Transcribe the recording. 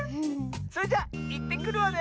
それじゃいってくるわね！